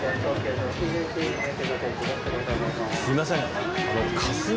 すみません。